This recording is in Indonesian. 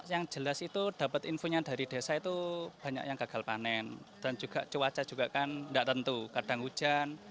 yang jelas itu dapat infonya dari desa itu banyak yang gagal panen dan juga cuaca juga kan tidak tentu kadang hujan